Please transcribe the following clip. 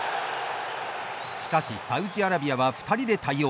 しかしサウジアラビアは２人で対応。